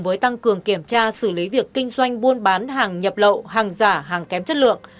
với tăng cường kiểm tra xử lý việc kinh doanh buôn bán hàng nhập lậu hàng giả hàng kém chất lượng